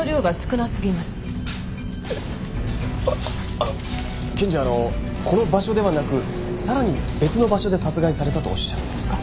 あの検事はこの場所ではなくさらに別の場所で殺害されたとおっしゃるんですか？